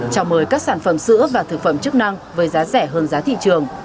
chào mời các sản phẩm sữa và thực phẩm chức năng với giá rẻ hơn giá thị trường